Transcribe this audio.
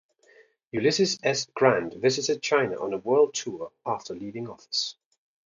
Ulysses S. Grant visited China on a world tour after leaving office.